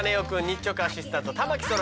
日直アシスタント